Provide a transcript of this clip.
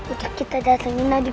itu kita datang menadikannya